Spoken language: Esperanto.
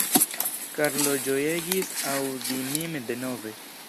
Karlo ĝojegis aŭdi min denove.